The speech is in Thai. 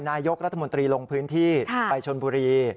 นายกรัฐมนตรีลงพื้นที่ไปชนบุรี